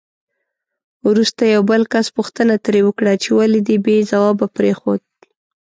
وروسته یو بل کس پوښتنه ترې وکړه چې ولې دې بې ځوابه پرېښود؟